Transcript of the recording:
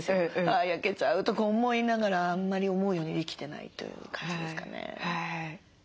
あ焼けちゃうとか思いながらあんまり思うようにできてないという感じですかね。